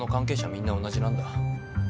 みんな同じなんだ。